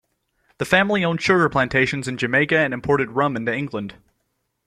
The family owned sugar plantations in Jamaica and imported rum into England.